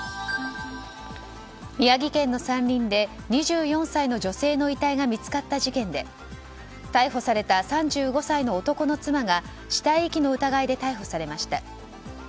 宮城県の山林で２４歳の女性の遺体が見つかった事件で逮捕された３５歳の男の妻が死体遺棄の疑いで逮捕されました。